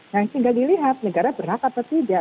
yang sehingga dilihat negara berhak atau tidak